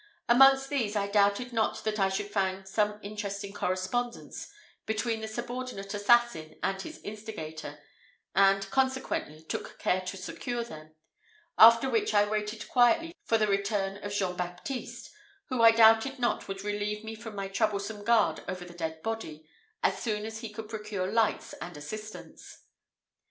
Amongst these I doubted not that I should find some interesting correspondence between the subordinate assassin and his instigator, and, consequently, took care to secure them; after which I waited quietly for the return of Jean Baptiste, who I doubted not would relieve me from my troublesome guard over the dead body, as soon as he could procure lights and assistance.